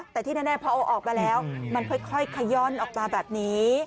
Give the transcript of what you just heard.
แต่ที่แน่พอเอาออกมาแล้วมันค่อยขย่อนออกมาแบบนี้